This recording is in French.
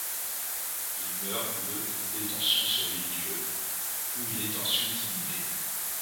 Il meurt le en détention sur l’île d'Yeu, où il est ensuite inhumé.